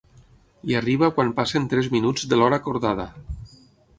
Hi arriba quan passen tres minuts de l'hora acordada.